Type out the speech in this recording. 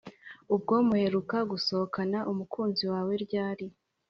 ubwo muheruka gusohokana umukuzi waweryari?